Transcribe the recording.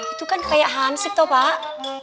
itu kan kayak hansip tau pak